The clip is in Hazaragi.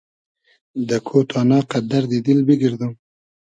دۂ کۉ تانا قئد دئردی دیل بیگئردوم